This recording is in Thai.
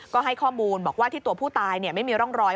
ก็ให้ข้อมูลบอกว่าที่ตัวผู้ตายไม่มีร่องรอย